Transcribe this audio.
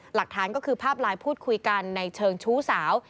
หลักฐานก็คือภาพไลน์พูดคุยกันในเชิงชู้สาว